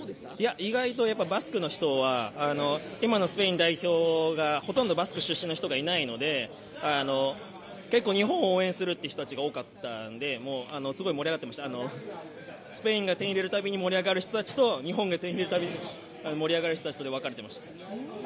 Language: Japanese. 意外とバスクの人は今のスペイン代表はほとんどバスク出身の人がいないので、日本を応援する人が多かったのですごい盛り上がってましたスペインが点を入れるたびに盛り上がる人たちと日本が点入れるたびに盛り上がる人たちで分かれていました。